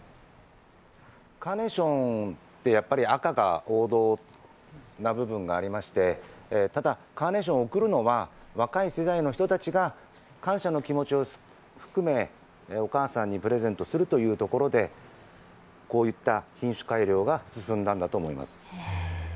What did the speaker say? カーネーションってやっぱり赤が王道な部分がありましてただ、カーネーションを贈るのは若い世代の人たちが感謝の気持ちを含め、お母さんにプレゼントするというところで、こういった品種改良が進んだんだと思います。